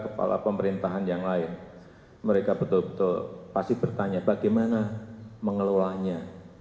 kepala pemerintahan yang lain mereka betul betul pasti bertanya bagaimana mengelolanya